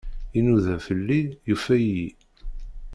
Inuda fell-i, yufa-iyi.